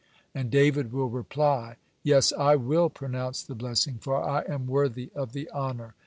And David will reply: 'Yes, I will pronounce the blessing, for I am worthy of the honor.'"